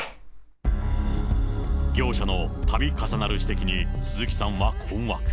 業者のたび重なる指摘に鈴木さんは困惑。